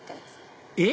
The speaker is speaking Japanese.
えっ？